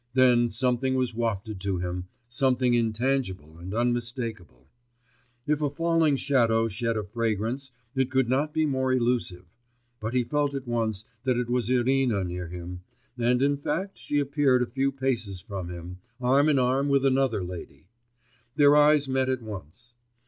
Then something was wafted to him, something intangible and unmistakable: if a falling shadow shed a fragrance, it could not be more elusive, but he felt at once that it was Irina near him, and in fact she appeared a few paces from him, arm in arm with another lady; their eyes met at once.